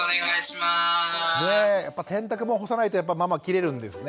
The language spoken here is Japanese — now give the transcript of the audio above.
やっぱ洗濯物干さないとママ切れるんですね